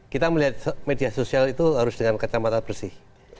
kita melihat media sosial itu harus dengan kacamata bersih